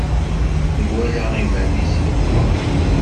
Iwala iman-is yeḍlem.